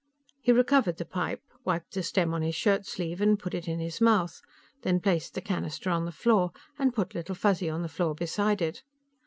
He recovered the pipe, wiped the stem on his shirt sleeve and put it in his mouth, then placed the canister on the floor, and put Little Fuzzy on the floor beside it.